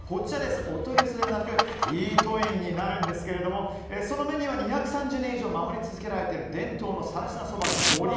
お取り寄せではなくイートインになるんですけどもそのメニューは２３０年以上守り続けられている伝統のさらしなそばのもり。